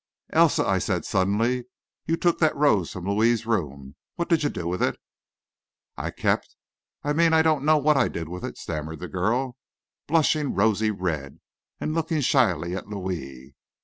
"Elsa," I said, suddenly, "you took that rose from Louis's room. What did you do with it?" "I kept, I mean, I don't know what I did with it," stammered the girl, blushing rosy red, and looking shyly at Louis.